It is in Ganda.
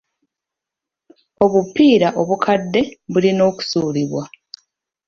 Obupiira obukadde bulina okusuulibwa.